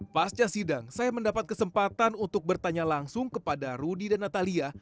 pasca sidang saya mendapat kesempatan untuk bertanya langsung kepada rudy dan natalia